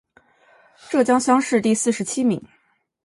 浙江乡试第四十七名。